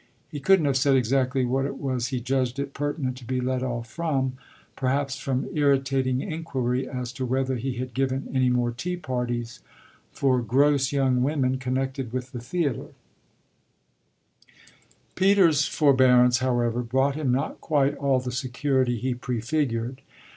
He couldn't have said exactly what it was he judged it pertinent to be let off from: perhaps from irritating inquiry as to whether he had given any more tea parties for gross young women connected with the theatre. Peter's forbearance, however, brought him not quite all the security he prefigured.